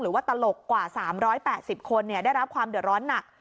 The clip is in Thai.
ตลกกว่า๓๘๐คนได้รับความเดือดร้อนหนัก